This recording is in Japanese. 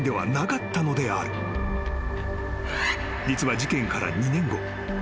［実は事件から２年後］